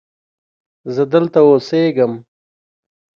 زه دلته اوسیږم